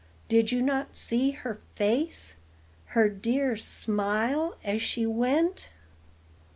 Did you not see her face, Her dear smile, as she went?"